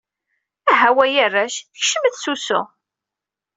Ahaw ay arrac, kecmet s usu!